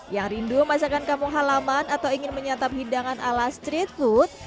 yang rindu masakan kampung halaman atau ingin menyatap hidangan ala street food